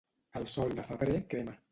El sol de febrer crema.